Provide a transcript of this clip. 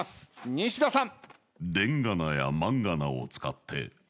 西田さん